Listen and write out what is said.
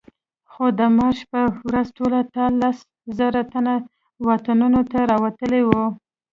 خو د مارش په ورځ ټول ټال لس زره تنه واټونو ته راوتلي وو.